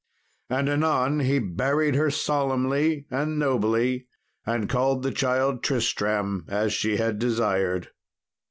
And anon he buried her solemnly and nobly, and called the child Tristram as she had desired.